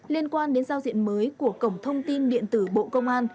liên quan đến giao diện mới của cổng thông tin điện tử bộ công an